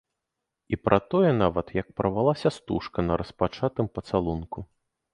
І пра тое нават, як парвалася стужка на распачатым пацалунку.